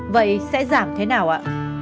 vậy sẽ giảm thế nào ạ